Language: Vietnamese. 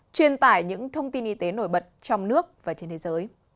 truyền tải những thông tin y tế nổi bật trong nước và trên thế giới